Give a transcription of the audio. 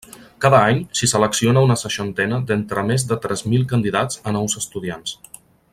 Cada any s'hi selecciona una seixantena d'entre més de tres mil candidats a nous estudiants.